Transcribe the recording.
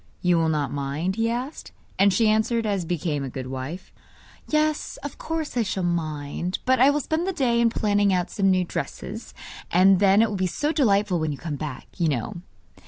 'You will not mind?' he asked. And she answered as became a good wife: 'Yes, of course I shall mind; but I will spend the day in planning out some new dresses; and then it will be so delightful when you come back, you know!